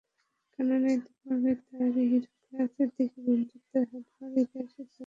কেননা ইতোপূর্বেই সে হিরাক্লিয়াসের দিকে বন্ধুত্বের হাত বাড়িয়ে দেয়ার সিদ্ধান্ত নিয়েছিল।